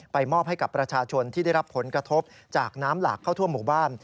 มอบให้กับประชาชนที่ได้รับผลกระทบจากน้ำหลากเข้าทั่วหมู่บ้าน